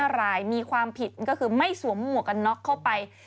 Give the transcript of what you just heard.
๕รายมีความผิดก็คือไม่สวมหมวกกันน็อกเข้าไป